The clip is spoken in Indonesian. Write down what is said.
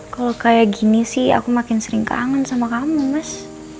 kalau kayak gini sih aku makin sering kangen sama kamu mas